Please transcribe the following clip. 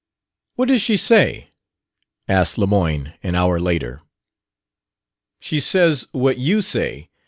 "What does she say?" asked Lemoyne, an hour later. "She says what you say!"